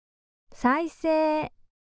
再生！